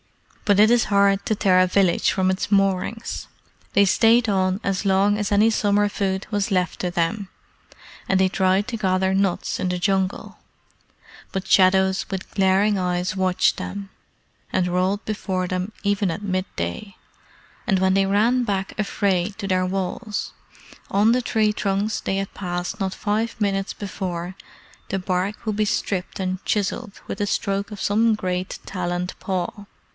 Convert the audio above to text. But it is hard to tear a village from its moorings. They stayed on as long as any summer food was left to them, and they tried to gather nuts in the Jungle, but shadows with glaring eyes watched them, and rolled before them even at mid day; and when they ran back afraid to their walls, on the tree trunks they had passed not five minutes before the bark would be stripped and chiselled with the stroke of some great taloned paw.